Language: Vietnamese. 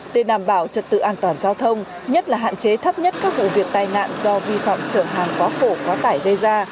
để đảm bảo trật tự an toàn giao thông nhất là hạn chế thấp nhất các vụ việc tai nạn do vi phạm trở hàng quá khổ quá tải gây ra